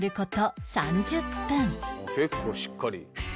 「結構しっかり」